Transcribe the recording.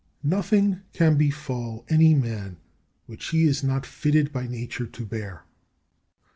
18. Nothing can befall any man which he is not fitted by nature to bear.